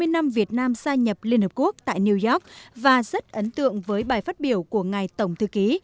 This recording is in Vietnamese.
hai mươi năm việt nam gia nhập liên hợp quốc tại new york và rất ấn tượng với bài phát biểu của ngài tổng thư ký